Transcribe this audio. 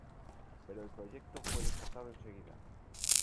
Pero el proyecto fue descartado enseguida.